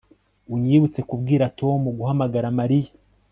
Unyibutse kubwira Tom guhamagara Mariya